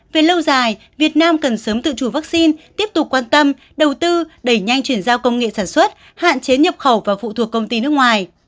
về lâu dài việt nam cần sớm tự chủ vaccine tiếp tục quan tâm đầu tư đẩy nhanh chuyển giao công nghệ sản xuất hạn chế nhập khẩu và phụ thuộc công ty nước ngoài